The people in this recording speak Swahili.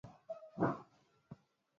Amenifanya mwana, niliyekuwa mfungwa